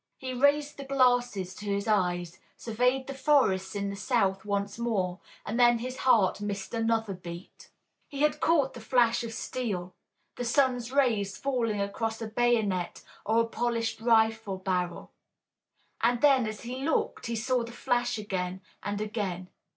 He raised the glasses to his eyes, surveyed the forests in the South once more, and then his heart missed another beat. He had caught the flash of steel, the sun's rays falling across a bayonet or a polished rifle barrel. And then as he looked he saw the flash again and again.